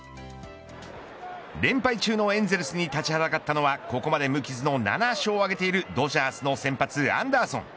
連敗中のエンゼルスに立ちはだかったのはここまで無傷の７勝を挙げているドジャースの先発アンダーソン。